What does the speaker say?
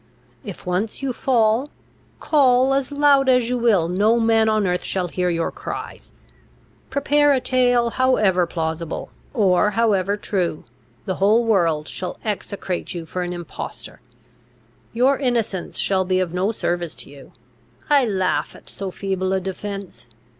If once you fall, call as loud as you will, no man on earth shall hear your cries; prepare a tale however plausible, or however true, the whole world shall execrate you for an impostor. Your innocence shall be of no service to you; I laugh at so feeble a defence.